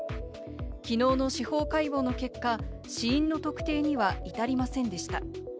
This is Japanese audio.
きのうの司法解剖の結果、死因の特定には至りませんでした。